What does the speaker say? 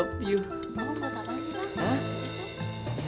mau tau apaan sih mak